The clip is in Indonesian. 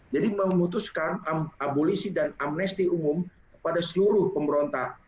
jadi memutuskan abolisi dan amnesti umum pada seluruh pemberontak